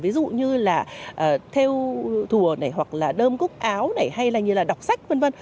ví dụ như là theo thùa này hoặc là đơm cúc áo này hay là như là đọc sách v v